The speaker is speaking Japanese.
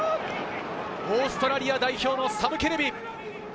オーストラリア代表のサム・ケレビ。